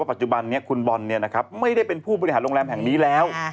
ปัจจุบันนี้คุณบอลไม่ได้เป็นผู้บริหารโรงแรมแห่งนี้แล้ว